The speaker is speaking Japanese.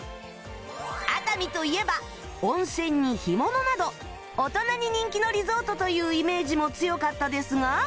熱海といえば温泉に干物など大人に人気のリゾートというイメージも強かったですが